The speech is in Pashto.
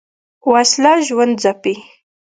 وسله ژوند ځپي